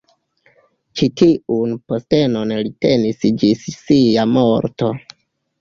Ĉi tiun postenon li tenis ĝis sia morto.